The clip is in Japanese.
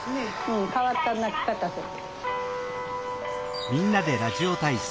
うん変わった鳴き方する。